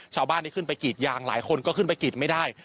ชาวบ้านที่ขึ้นไปกรีดยางหลายคนก็ขึ้นไปกรีดไม่ได้